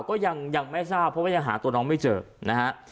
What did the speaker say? ก็ยังไม่ทราบเพราะว่ายังหาตัวน้องไม่เจอนะฮะ